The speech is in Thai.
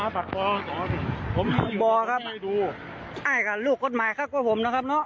บัตรปราสอบครับใช่ค่ะลูกกฎหมายค่ะกว่าผมนะครับเนอะ